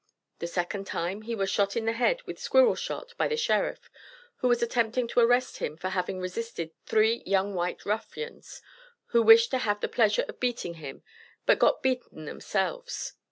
The second time, he was shot in the head with squirrel shot by the sheriff, who was attempting to arrest him for having resisted three "young white ruffians," who wished to have the pleasure of beating him, but got beaten themselves.